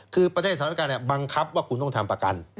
คือประเทศสถานการณ์บังคับว่าคุณต้องทำประกัน